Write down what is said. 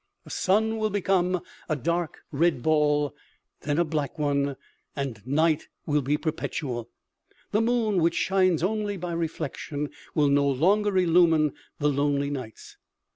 The sun will become 7io OMEGA. a dark red ball, then a black one, and night will be perpetual. The moon, which shines only by reflection, will no longer illumine the lonely nights.